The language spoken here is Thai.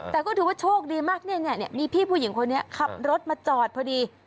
แต่ก็ถือว่าโชคดีมากเนี่ยมีพี่ผู้หญิงคนนี้ขับรถมาจอดพอดี